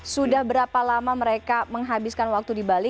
sudah berapa lama mereka menghabiskan waktu di bali